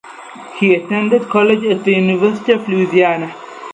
He attended college at the University of Louisiana.